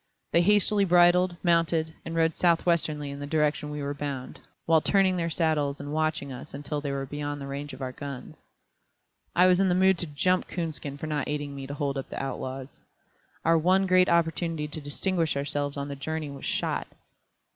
They hastily bridled, mounted, and rode southwesterly in the direction we were bound, while turning in their saddles and watching us until they were beyond range of our guns. I was in the mood to "jump" Coonskin for not aiding me to hold up the outlaws. Our one great opportunity to distinguish ourselves on the journey was lost.